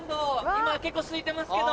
今結構空いてますけど。